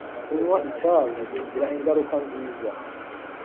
kunywa itabi bigira ingaruka nziza.